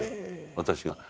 私が。